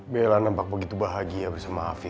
bella nampak begitu bahagia bersama afi